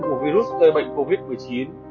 của virus cây bệnh covid một mươi chín